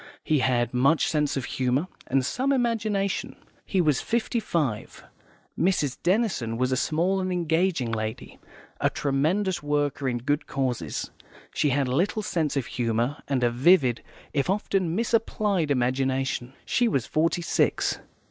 He had much sense of humour, and some imagination. He was fifty five. Mrs. Denison was a small and engaging lady, a tremendous worker in good causes; she had little sense of humour, and a vivid, if often misapplied, imagination. She was forty six.